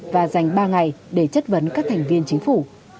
và dành ba ngày để chất vấn các thành viên chính phủ